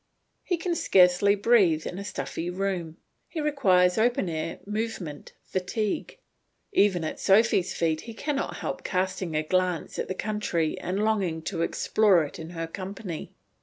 He can scarcely breathe in a stuffy room, he requires open air, movement, fatigue. Even at Sophy's feet he cannot help casting a glance at the country and longing to explore it in her company.